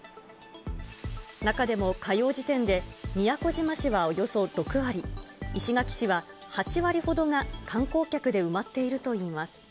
中でも火曜時点で宮古島市はおよそ６割、石垣市は８割ほどが観光客で埋まっているといいます。